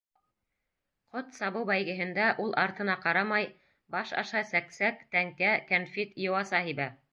«Ҡот сабыу» бәйгеһендә ул артына ҡарамай, баш аша сәк-сәк, тәңкә, кәнфит, йыуаса һибә.